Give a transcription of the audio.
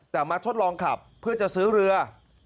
แต่มาทดลองขับเพื่อจะซื้อเรือ